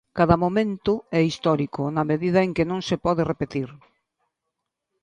Cada momento é histórico, na medida en que non se pode repetir